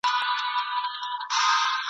شنه ټگي وه که ځنگل که یې کیسې وې ..